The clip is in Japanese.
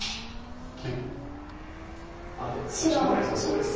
あっでもこっちの方がよさそうです。